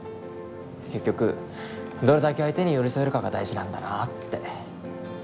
結局どれだけ相手に寄り添えるかが大事なんだなって。